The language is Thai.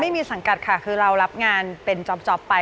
สังกัดค่ะคือเรารับงานเป็นจ๊อปไป